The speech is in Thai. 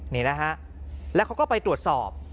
นี่นะฮะแล้วเขาก็ไปตรวจสอบ